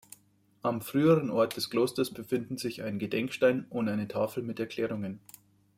Am früheren Ort des Klosters befinden sich ein Gedenkstein und eine Tafel mit Erklärungen.